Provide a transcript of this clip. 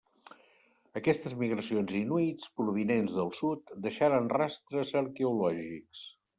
Aquestes migracions inuits provinents del sud deixaren rastres arqueològics.